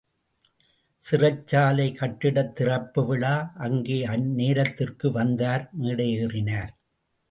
சிறைச்சாலைக் கட்டிடத் திறப்பு விழா — அங்கே அந்நேரத்திற்கு வந்தார் மேடை ஏறினார்.